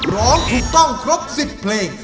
ร้องถูกต้องครบ๑๐เพลง